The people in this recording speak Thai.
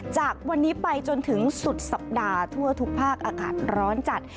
จากวันนี้ไปจนถึงสุดสัปดาห์ทั่วทุกภาคอากาศร้อนจัด